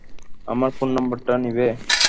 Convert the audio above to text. আমার ফোন নাম্বারটা নিবে?